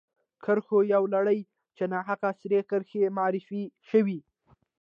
کرښو یوه لړۍ چې ناحقه سرې کرښې معرفي شوې.